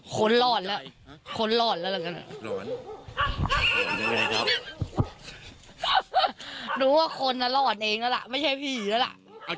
ก็ถ้าเราประโยมประมาณเก่าแล้ว